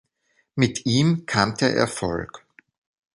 Mit ihm kam der Erfolg.